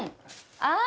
あ！